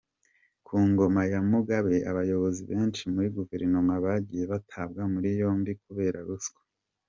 Ku ngoma ya Mugabe, abayobozi benshi muri Guverinoma bagiye batabwa muri yombi kubera ruswa.